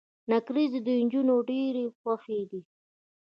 نکریزي د انجونو ډيرې خوښې دي.